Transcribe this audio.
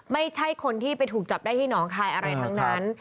ไม่ใช่คนที่ไปถูกจับได้ที่หนองคายอะไรทั้งนั้น